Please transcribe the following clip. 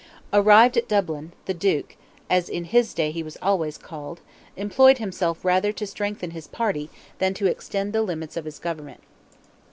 Arrived at Dublin, the Duke (as in his day he was always called,) employed himself rather to strengthen his party than to extend the limits of his government.